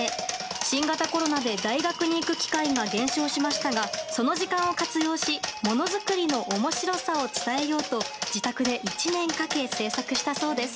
新型コロナで大学に行く機会が減少しましたがその時間を活用しものづくりの面白さを伝えようと自宅で１年かけ制作したそうです。